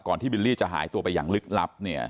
ก่อนที่บิลลี่จะหายตัวไปอย่างลึกลับ